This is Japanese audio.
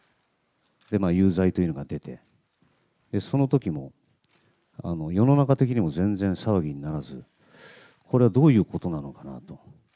有罪というのが出て、そのときも、世の中的にも全然騒ぎにならず、これはどういうことなのかなと。